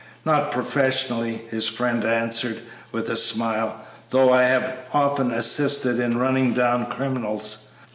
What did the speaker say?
"Not professionally," his friend answered, with a smile; "though I have often assisted in running down criminals.